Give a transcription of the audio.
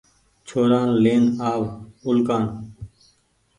ڇورآن لين آو اُلڪآن